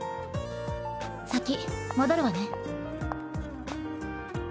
先戻るわね。